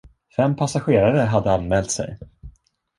Fem passagerare hade anmält sig.